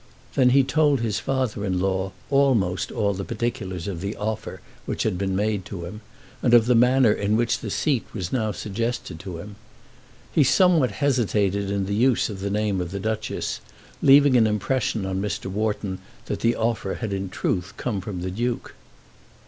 Then he told his father in law almost all the particulars of the offer which had been made him, and of the manner in which the seat was now suggested to him. He somewhat hesitated in the use of the name of the Duchess, leaving an impression on Mr. Wharton that the offer had in truth come from the Duke.